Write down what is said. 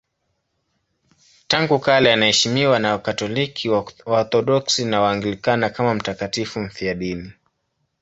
Tangu kale anaheshimiwa na Wakatoliki, Waorthodoksi na Waanglikana kama mtakatifu mfiadini.